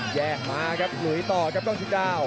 แยกมาครับหลุยต่อครับกล้องชิงดาว